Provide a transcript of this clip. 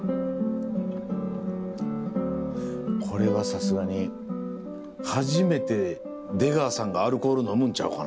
これはさすがに初めて出川さんがアルコール飲むんちゃうかな。